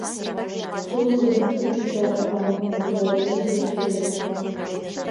— Шуын гын, йӱшаш, — манын, кугыза рвезе деке кая.